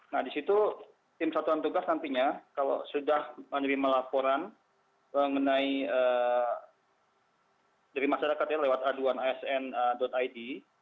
nah disitu tim satuan tugas nantinya kalau sudah menerima laporan dari masyarakat lewat aduan asn id